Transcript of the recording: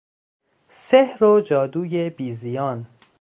سحر و جادوی بیزیان